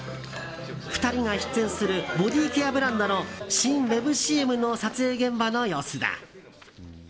２人が出演するボディーケアブランドの新ウェブＣＭの撮影現場の様子だ。